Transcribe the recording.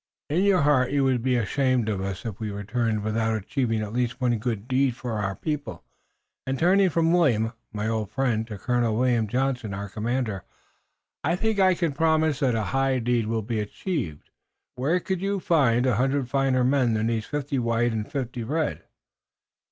"In your heart you would be ashamed of us if we returned without achieving at least one good deed for our people. And turning from William, my old friend, to Colonel William Johnson, our commander, I think I can promise that a high deed will be achieved. Where could you find a hundred finer men than these, fifty white and fifty red?"